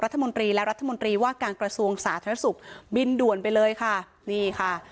รัฐมนตรีและรัฐมนตรีว่าการกระทรวงสาธารณสุขบินด่วนไปเลยค่ะนี่ค่ะ